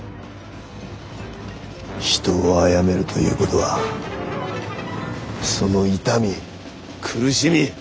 人をあやめるということはその痛み苦しみ